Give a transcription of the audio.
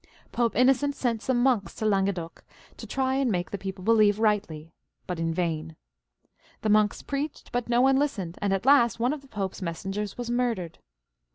Pope Innocent sent some monks to Languedoc to try and^make the people believe rightly, but in vain. The monks preached, but no one listened, and at last one of the Pope's messengers was murdered.